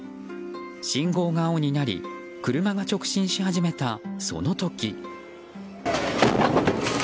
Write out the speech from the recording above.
信号が青になり車が直進し始めた、その時。